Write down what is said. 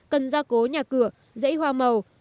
cần ra cố nhà cửa dãy hoa màu